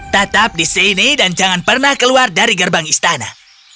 tetap di sini dan jangan pernah keluar dari gerbang istana